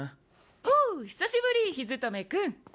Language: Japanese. おお久しぶり陽務君。